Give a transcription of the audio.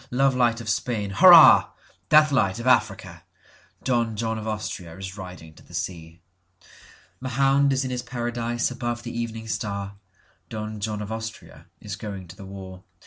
Love light of Spain—hurrah! Death light of Africa! Don John of AustriaIs riding to the sea. Mahound is in his paradise above the evening star,(Don John of Austria is going to the war.)